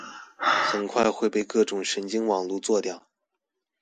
很快會被各種神經網路做掉